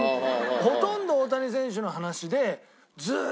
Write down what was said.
ほとんど大谷選手の話でずっと。